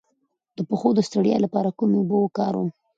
د پښو د ستړیا لپاره کومې اوبه وکاروم؟